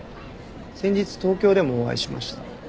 先日東京でもお会いしました。